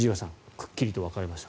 くっきりと分かれました。